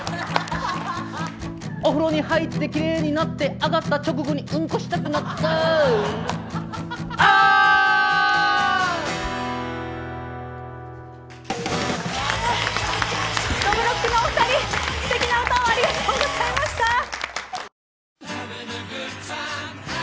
お風呂に入ってきれいになって上がった直後にうんこしたくなった。